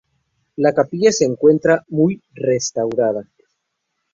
La capilla se encuentra muy restaurada.